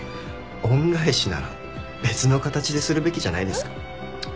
恩返しなら別の形でするべきじゃないですか？